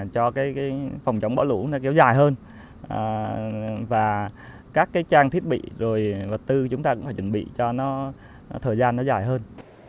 cho cái phòng chống bão lũ nó kéo dài hơn và các trang thiết bị rồi vật tư chúng ta cũng phải chuẩn bị cho nó thời gian nó dài hơn